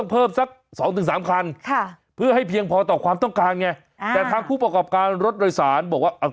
เพื่อให้เพียงพอต่อความต้องการไงแต่ทางผู้ประกอบการรถโดยสารบอกว่า